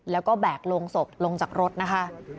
แล้วก็แบกลงศพลงจากรถนะคะ